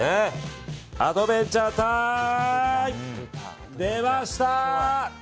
アドベンチャータイム！出ました！